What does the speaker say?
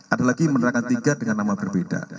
ada lagi menerangkan tiga dengan nama berbeda